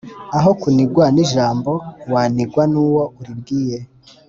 Aho kunigwa n’ijambo wanigwa n’uwo uribwiye.